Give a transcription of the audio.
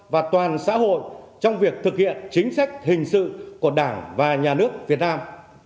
và toàn xã hội trong việc thực hiện chính sách hình sự của đảng và nhà nước việt nam